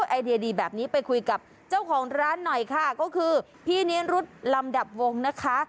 ไอเดียดีแบบนี้ไปคุยกับเจ้าของร้านหน่อยค่ะก็คือพี่นิรุธลำดับวงนะคะ